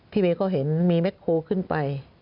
พี่เบ๊ก็เห็นมีแม็กโครขึ้นไป